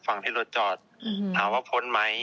ฝั่งที่รถจอดถามว่าพ้นไหม